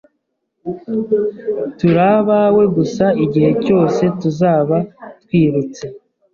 Turi abawe gusa igihe cyose tuzaba twirutse